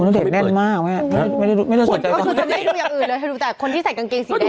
คุณณเดชน์แน่นมากไม่ได้ไม่ได้ไม่ได้สนใจไม่ได้ดูอย่างอื่นเลยแต่ดูแต่คนที่ใส่กางเกงสีแดง